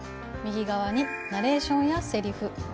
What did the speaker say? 右側にナレーションやセリフ。